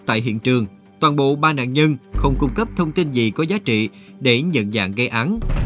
tại hiện trường toàn bộ ba nạn nhân không cung cấp thông tin gì có giá trị để nhận dạng gây án